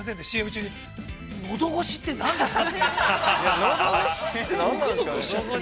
ＣＭ中に、のどごしって何ですかって。